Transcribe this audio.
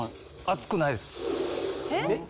熱くないです。え？